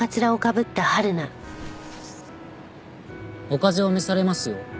お風邪を召されますよ。